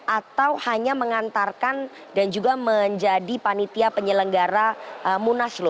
atau hanya mengantarkan dan juga menjadi panitia penyelenggara munaslu